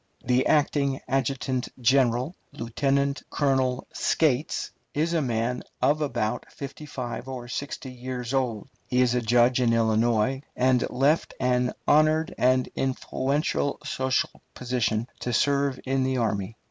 The acting adjutant general, Lieutenant Colonel Scates, is a man of about fifty five or sixty years old; he was a judge in Illinois, and left an honored and influential social position to serve in the army.